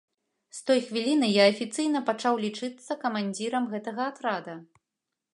З той хвіліны я афіцыйна пачаў лічыцца камандзірам гэтага атрада.